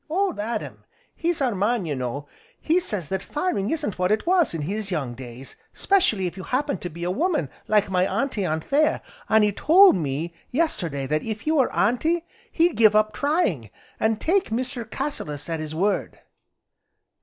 "Old Adam, he's our man, you know, he says that farming isn't what it was in his young days, 'specially if you happen to be a woman, like my Auntie Anthea, an' he told me yesterday that if he were Auntie he'd give up trying, an' take Mr. Cassilis at his word."